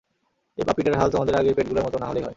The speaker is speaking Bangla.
এই পাপ্পিটার হাল তোমাদের আগের পেটগুলোর মত না হলেই হয়।